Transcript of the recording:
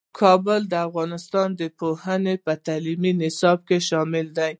کابل د افغانستان د پوهنې په تعلیمي نصاب کې شامل دی.